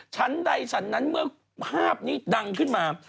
ชั้นใดชั้นนั้นเมื่อภาพนี้ดังขึ้นมา